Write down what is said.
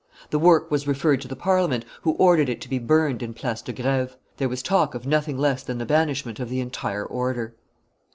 The work was referred to the Parliament, who ordered it to be burned in Place de Greve; there was talk of nothing less than the banishment of the entire order.